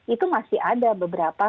itu masih ada beberapa